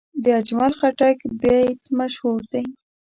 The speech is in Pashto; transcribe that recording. د اجمل خټک بیت مشهور دی.